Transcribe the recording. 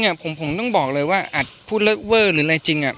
คือจริงผมต้องบอกเลยว่าอาจพูดเลิกเวอร์หรืออะไรจริง